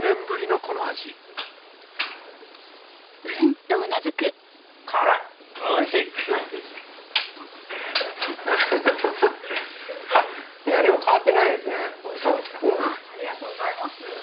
そうですかありがとうございます。